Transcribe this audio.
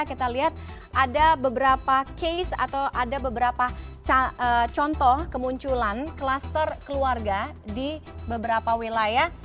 kita lihat ada beberapa case atau ada beberapa contoh kemunculan kluster keluarga di beberapa wilayah